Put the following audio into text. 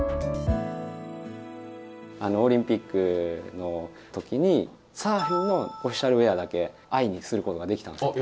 あのオリンピックの時にサーフィンのオフィシャルウエアだけ藍にすることができたんですよ。